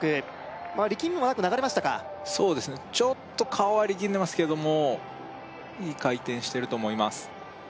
まあ力みもなく流れましたかそうですねちょっと顔は力んでますけれどもいい回転してると思います